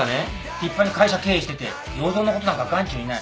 立派に会社経営してて要造のことなんか眼中にない。